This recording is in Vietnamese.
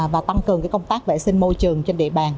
và tăng cường công tác vệ sinh môi trường trên địa bàn